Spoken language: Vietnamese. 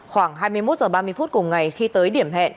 khoảng hai mươi một h ba mươi phút cùng ngày khi tới điểm hẹn